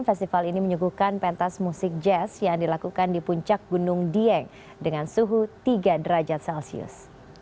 festival ini menyuguhkan pentas musik jazz yang dilakukan di puncak gunung dieng dengan suhu tiga derajat celcius